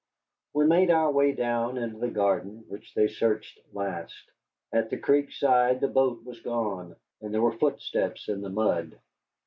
We made our way down into the garden, which they searched last. At the creek's side the boat was gone, and there were footsteps in the mud.